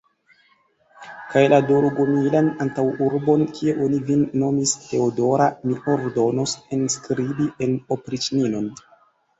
Kaj la Dorogomilan antaŭurbon, kie oni vin nomis Teodora, mi ordonos enskribi en opriĉninon!